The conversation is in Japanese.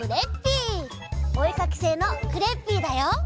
おえかきせいのクレッピーだよ！